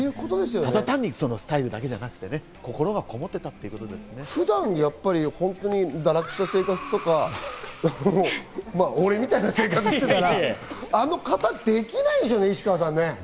ただ単にスタイルだけじゃなくてね、普段堕落した生活とか、俺みたいな生活してたらあの形できないでしょうね、石川さん。